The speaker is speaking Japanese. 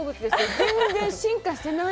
全然、進化していない。